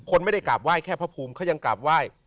คนไม่ได้กราบไห้แค่พระภูมิเขายังกราบไหว้